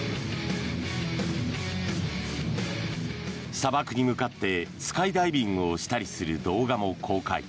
砂漠に向かってスカイダイビングをしたりする動画も公開。